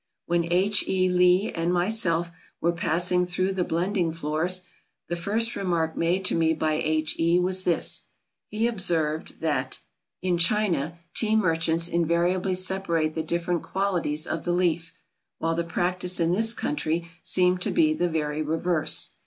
When H. E. Li and myself were passing through the "Blending Floors," the first remark made to me by H. E. was this: he observed that "In China, Tea Merchants invariably separate the different qualities of the leaf; while the practice in this country seemed to be the very reverse."